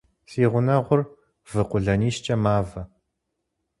Си гъунэгъур вы къуэлэнищкӀэ мавэ.